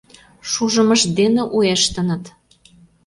Шужымышт дене уэштыныт.